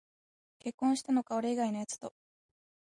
結婚したのか、俺以外のやつと